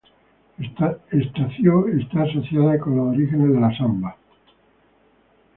Estácio está asociado con los orígenes de la samba.